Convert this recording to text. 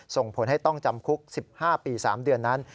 ส่งผลให้ต้องจำคุก๑๕ปี๓เดือนนั้น